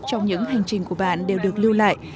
trong những hành trình của bạn đều được lưu lại